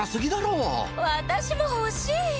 私も欲しい！